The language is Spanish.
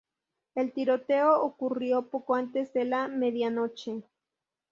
El tiroteo ocurrió poco antes de la medianoche.